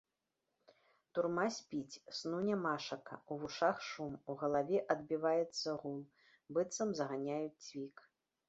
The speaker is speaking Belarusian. Турма спіць, сну нямашака, у вушах шум, у галаве адбіваецца гул, быццам заганяюць цвік.